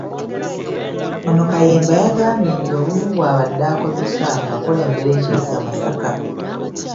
Ono Kayemba yagambye nti obumu bw'abadde akozesa ng'akulembera ekibuga Masaka.